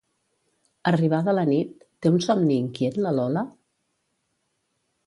Arribada la nit, té un somni inquiet la Lola?